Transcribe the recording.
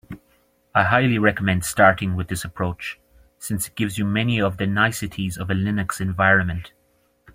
I highly recommend starting with this approach, since it gives you many of the niceties of a Linux environment.